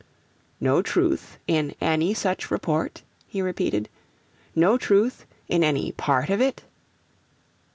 'No truth in any such report?' he repeated. 'No truth in any part of it?'